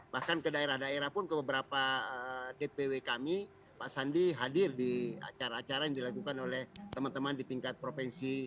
bahkan ke daerah daerah pun ke beberapa dpw kami pak sandi hadir di acara acara yang dilakukan oleh teman teman di tingkat provinsi